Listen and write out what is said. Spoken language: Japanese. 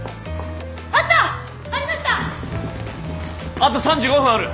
あと３５分ある。